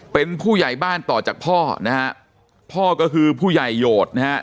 เป็นผู้ใหญ่บ้านต่อจากพ่อนะฮะพ่อก็คือผู้ใหญ่โหดนะฮะ